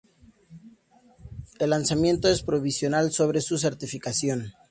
El lanzamiento es provisional sobre su certificación.